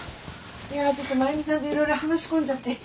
いやちょっと真由美さんと色々話し込んじゃって。